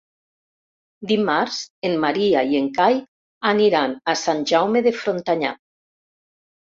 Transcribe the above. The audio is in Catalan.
Dimarts en Maria i en Cai aniran a Sant Jaume de Frontanyà.